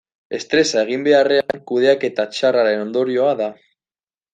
Estresa eginbeharraren kudeaketa txarraren ondorioa da.